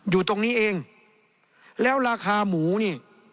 อยู่ตรงนี้เองแล้วราคาหมูนี่